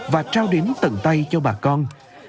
và trao đến tận tay cho bà con